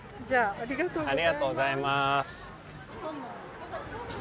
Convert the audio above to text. ありがとうございます。